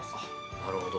なるほど。